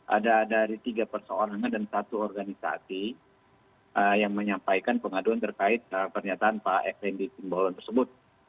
ada dari tiga perseorangan dan satu organisasi yang menyampaikan pengaduan terkait pernyataan pak fnd simbolon tersebut